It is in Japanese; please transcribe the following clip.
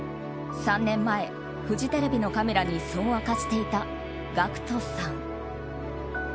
３年前、フジテレビのカメラにそう明かしていたＧＡＣＫＴさん。